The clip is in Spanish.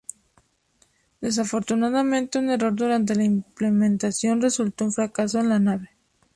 Desafortunadamente, un error durante la implementación resultó en un fracaso de la nave.